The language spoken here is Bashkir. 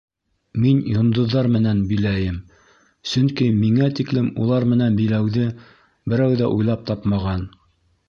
Мин йондоҙҙар менән биләйем, сөнки миңә тиклем улар менән биләүҙе берәү ҙә уйлап тапмаған.